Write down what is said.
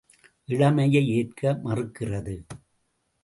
இளமையை ஏற்க மறுக்கிறது.